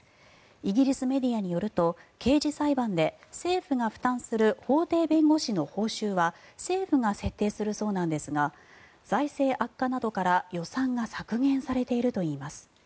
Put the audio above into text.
イギリスメディアによると刑事裁判で政府が負担する法廷弁護士の報酬は政府が設定するそうなんですが財政悪化などから予算が削減されているといいます。